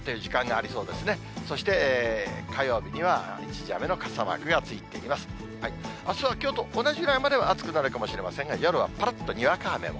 あすはきょうと同じぐらいまでは暑くなるかもしれませんが、夜はぱらっとにわか雨も。